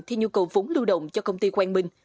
theo nhu cầu vốn lưu động cho công ty quang minh